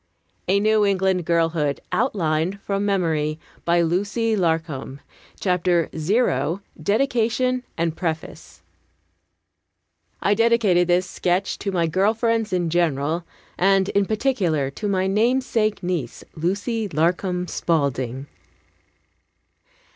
A NEW ENGLAND GIRLHOOD OUTLINED FROM MEMORY By LUCY LARCOM I dedicated this sketch To my girlfriends in general; And in particular To my namesake niece, Lucy Larcom Spaulding.